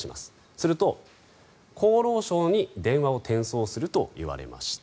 すると厚労省に電話を転送すると言われました。